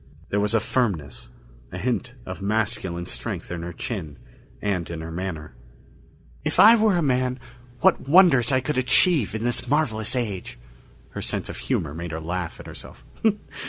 There was a firmness, a hint of masculine strength in her chin and in her manner. "If I were a man, what wonders I could achieve in this marvelous age!" Her sense of humor made her laugh at herself.